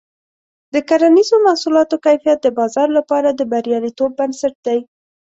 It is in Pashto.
د کرنیزو محصولاتو کیفیت د بازار لپاره د بریالیتوب بنسټ دی.